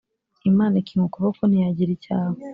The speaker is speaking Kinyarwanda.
Imana ikinga ukuboko ntiyagira icy’aba